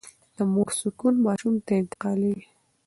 د مور سکون ماشوم ته انتقالېږي.